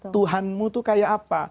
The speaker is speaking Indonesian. tuhanmu itu kayak apa